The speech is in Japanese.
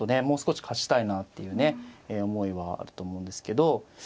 もう少し勝ちたいなっていうね思いはあると思うんですけど。